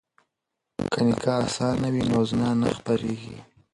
که نکاح اسانه وي نو زنا نه خپریږي.